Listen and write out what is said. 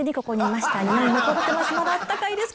まだあったかいです